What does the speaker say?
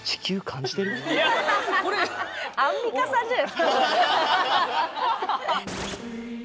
アンミカさんじゃないですか。